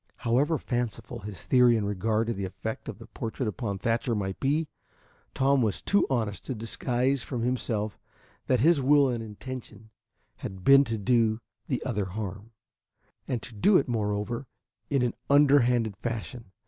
However fanciful his theory in regard to the effect of the portrait upon Thatcher might be, Tom was too honest to disguise from himself that his will and intention had been to do the other harm, and to do it, moreover, in an underhanded fashion.